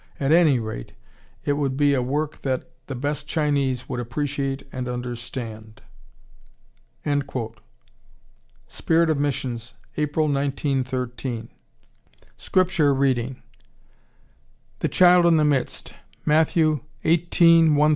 At any rate, it would be a work that the best Chinese would appreciate and understand." (Spirit of Missions, April, 1913.) SCRIPTURE READING "The Child in the Midst," Matthew, 18:1 6, 10 14.